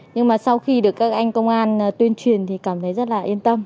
nhưng mà sau khi được các anh công an tuyên truyền thì cảm thấy rất là yên tâm